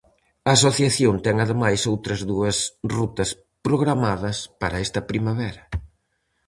A asociación ten ademais outras dúas rutas programadas para esta primavera.